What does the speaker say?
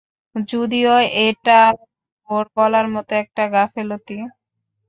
যদিও, এটাই ওর বলার মতো একটা গাফেলতি!